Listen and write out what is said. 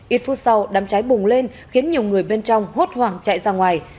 ít phút sau đám cháy bùng lên khiến nhiều người bên trong hốt hoảng chạy ra ngoài